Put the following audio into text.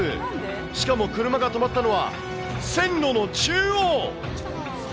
しかも車が止まったのは、線路の中央。